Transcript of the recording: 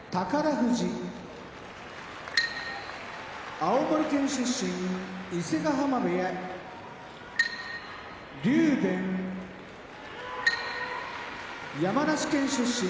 富士青森県出身伊勢ヶ濱部屋竜電山梨県出身